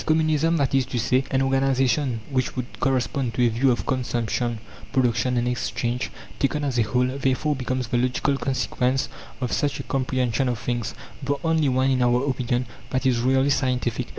Communism that is to say, an organization which would correspond to a view of Consumption, Production, and Exchange, taken as a whole therefore becomes the logical consequence of such a comprehension of things the only one, in our opinion, that is really scientific.